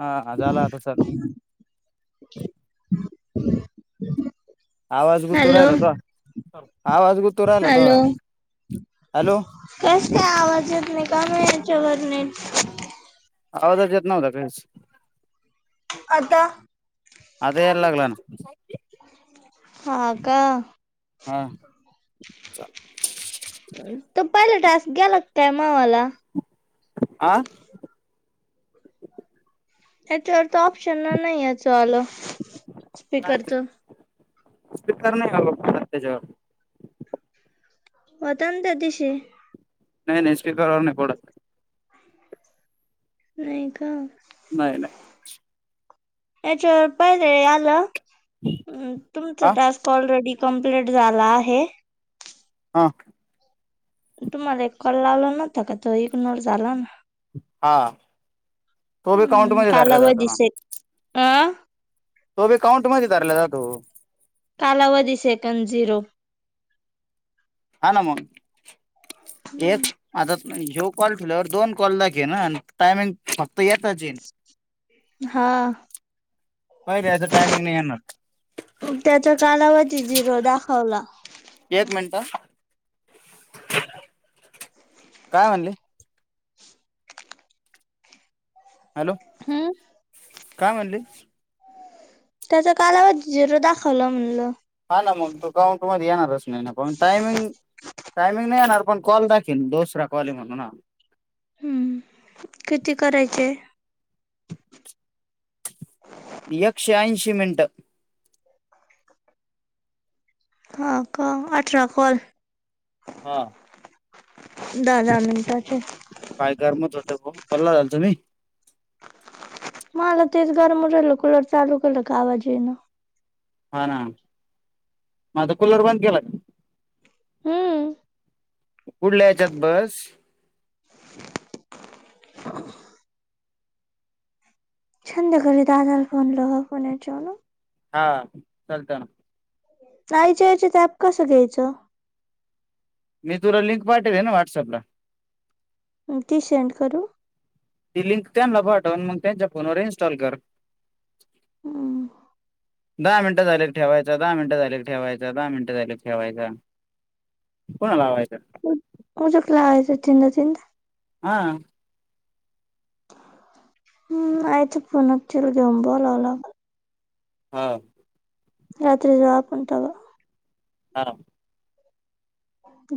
हा झाला आता चालू [unintelligible] आवाज गु तू हॅलो राहिला तुआ हॅलो हॅलो कस का आवाज येत नाही काय माहित जवर नाही. आवाजच येत नव्हता काहीच. आता. आता यायला लागला ना. हा का. हा. [inaudible] पहिले टास्क गेला काय मा वाला. आं त्याच्यावर तर ऑप्शन नाही याचं आलं. स्पीकरचं. उपकारने नाय अलो पात त्याच्यावर होता ना त्या तिशी. नाही नाही स्पीकर ऑन नाही पडत. नाही का. नाही नाही. याच्या पाहि र आला. हम् तुमचा हा टास्क ऑलरेडी. कमप्लीट झाला आहे. ह. वता का त इग्नोर झाला ना. हा तो बी काउंट मध्ये धरला जातो ना. आं तो बी काउंट मध्ये धरला जातो. कालावधी सेकंद झिरो. हा ना मग. येच आता ह्यो कॉल ठेल्यावर दोन कॉल लागेना टायमिंग फक्त येताच येईन हा. पहिले याचं टायमिंग नाही येणार त्याचा कालावधी झिरो दाखवला. एक मिनिट काय म्हणले. हॅलो हम्म. काय म्हणली. त्याच्या कालावधी झिरो दाखवलं म्हणलं. हा ना मग तु काउंट मध्ये ये ना प टायमिंग. टायमिंग नाही येणार पण कॉल दाखेल दोसरा कॉल म्हणून ना हम्म किती करायचे? एकशे ऐंशी मिनिटं. हा का अठरा कॉल. हा दहा दहा मिनिटांचे. पल्ला झाल तुम्ही. मला तेच गरम उ राहिल कुलर चालू केलं का आवाज येणा. हा ना म त कुलर बंद केेला. हम्म. पुढल्या यायच्यात बस. छंद्या घरी दादाला फोन ला [unintelligible] हा चालत ना. आयच्या याच्या ते ॲप कसं घ्यायचं? मी तुला लिंक पाठेवन व्हॉट्सअपला. ती सेंड करू. ती लिंक त्यांना पाठव आणि मग त्यांच्या फोनवर इन्स्टॉल कर. हम्म. दहा मिनिटं झाले ठेवायचा, दहा मिनटं झाले ठेवायचा, दहा मिनटं झाले ठेवायचा पून्हा लावाय [unintelligible] तिनडा तिनंद. हा. हम्म आईच्या [unintelligible] घेऊन बलावला हा. रात्री ज पण तवा. हा.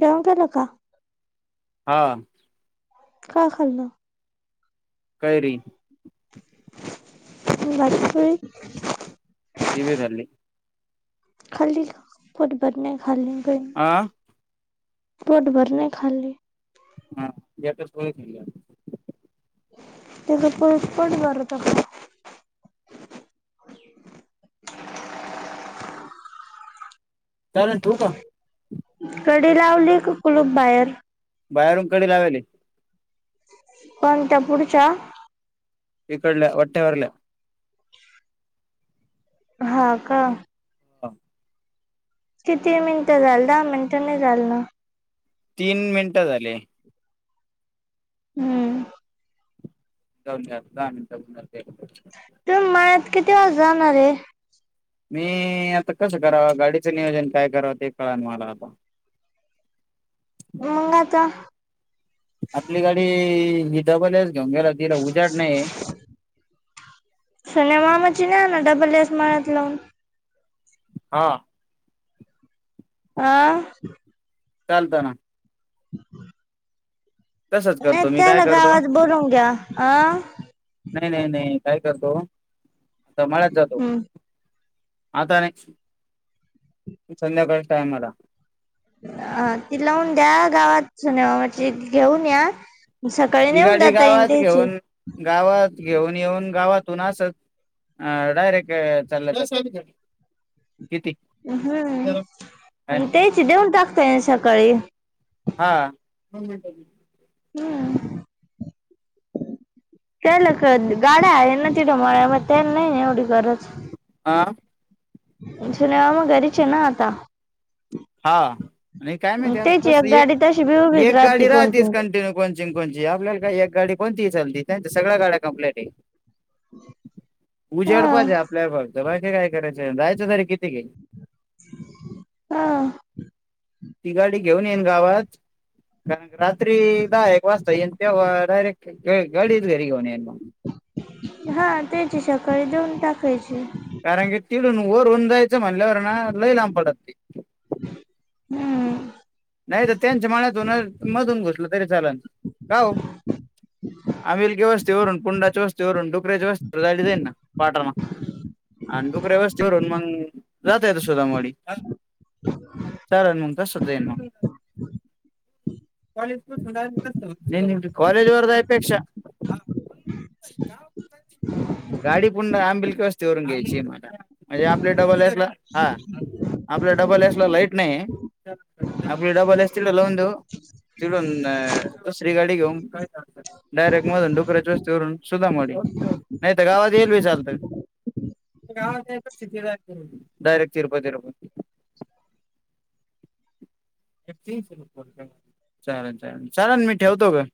गवगेलं का? हा. काय खाल्ल? कैरी. [unintelligible] दिवीराली. खाली फुटबट नाही खाली आह पोट भरलय खल्ली. हा एकच [unintelligible] खाल्ली आज. त्याचं पटपट भरतं पहा. चालेल ठेऊ का? कडी लावली का कुलूप बाहेर? बाहेरून कडी लावेली. कोणत्या त्या पुढच्या? इकडल्या वट्यावरल्या. हा का? हा. किती मिनिटं झाली दहा मिनिटं नाही झाली ना. तीन मिनटं झाली. हम्म. जाऊदे आता दहा मिनिटं [unintelligible] त-म किती वेळात जाणार आहे. मी आता कसं कराव, गाडीचं नियोजन काय करावं, ते कळना मला आता. मंग आता. आपली गाडी. गीता कॉलेज. घेऊन गेला तिला उजेड नाही. चिन्या आहे ना, डब्बल एस. मळ्यात लावून. हा. आ. चालतं ना. [inaudible] तसंच नाही करतो मी काय त्याला करतो गावात बोलवुन घ्या आ. नाही, नाही, नाही काय करतो. आता मळ्यात जातो हम्म. आता नाही संध्याकाळी टायमाला. अ ती लावून द्या गावात [unintelligible] घेऊन या. सकाळी ती नेऊन गाडी जाता येईन गावात त्याची घेऊन, गावात घेऊन-येऊन गावात तू ना असं अ-डायरेक्ट-अ चाललं! जरा साइड द्या. अह, ना आणि त्याची देऊन टाक त्याला सकाळी. कळे. हा दोन मिनिटात येतो. हम्म. त्याला काय गाड्या आहे ना, तिथ मळ्यामध्ये नाही एवढी गरज. आ. जुलै ना मूळ घरीच आहे ना आता. हा आणि काय माहिती आरं त्याची तसली, एक, गाडी तशी बी उभीच एक राहते गाडी राहतीच कोणती. कंटिन्यू कोणची ना कोणची आपल्याला काय एक गाडी कोणती हि. चालती काय आता सगळ्या गाड्या कंप्लीट आहे. उजेड हा उजेड पाहिजे आहे आपल्यावर. बघायचं काय करायचं जाहायचं तरी किती गे. हा. ती गाडी घेऊन येईन गावात. रात्री दहा एक वाजता ये. तेव्हा डयरेक्ट. गाडीच घरीच घेऊन येईन मग. खरी देऊन टाकयची. कारण की तिडून वरून जायचं म्हल्यावर ना. लई लांब पडती. हम्. नाही तर त्यांच्या मनातूनून मधून घुसलं तरी चालाल का आमलगी वस्थ वरून पुंडाच्या वस्त चोरून डुक्याची वस्त्र झाली जाईन ना. पाठर मग आणिडुक ववस्थवरून मग.. राते येत सोधा मडी चार मगता सध ये म कॉलेज वर जायपेक्षा गाडी पन आंबिलकवस्तीवरून घ्यायची मला म्हणजे आपले डबल एस ला हा आपलं डबल आहे. लाईट नाही. आपली डबल एस तिला लावून देऊ तिडून दुसरी गाडी घेऊन डायरेक्ट मधून डोकऱ्याची वस्तीवरून सुद्धा मो नाहीत गावात येईलवे चालताात डायरेक्ट चिरपतिरपत तीनशे रुपये चाल चालेल चाल मी ठेवतो ग.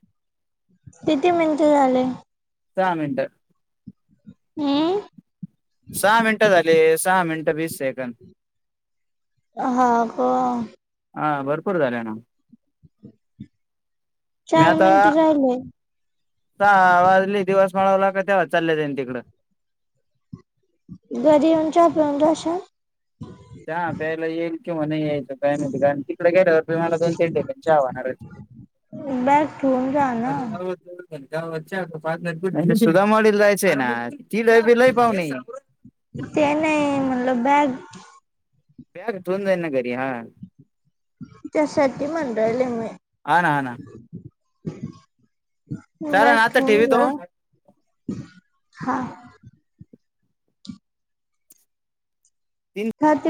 किती म्हंजे झाले दहा मिनट हम्म सहा मिनिटं सहा मिनट बीस सेकंड हा ग हा भरपूर झाले ना.. चार मिनट झाले. ह आजली दिवस माळवला कातवाज चाललेत आहे तिककं घरी येऊन चहा पिऊन जाशील पहिला ये किंवा नाहीये तिकडे गेल्यावर मला दोन तीन ठिका आवणार हो बॅग ठेवून जा ना. अरे गाच्या पनर कुठ सुधा मॉडील जायचंय ना. तिला बेलय पावणे म बॅग बॅक ठेवून जाईन ना घरी त्यासाठी मंडळले मी हा ना हा ना - [inaudible] चालेल म ना आता खऊा ठेवीतो हा तीन ह ते